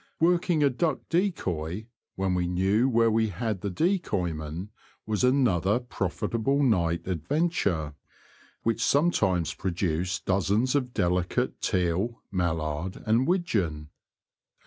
Working a duck decoy — when we knew where we had the decoyman — was another profitable night ad venture, which sometimes produced dozens The Confessions of a Poacher, 29 of delicate teal, mallard and widgeon.